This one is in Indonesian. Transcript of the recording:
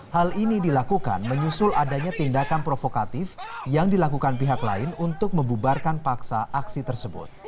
hal ini dilakukan menyusul adanya tindakan provokatif yang dilakukan pihak lain untuk membubarkan paksa aksi tersebut